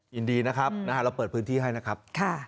ยินดีนะครับเราเปิดพื้นที่ให้นะครับ